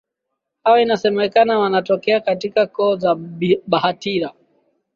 hawa inasemekana wanatokea katika koo za Bahitira